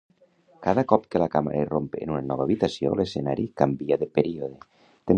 Cada cop que la càmera irromp en una nova habitació l'escenari canvia de període.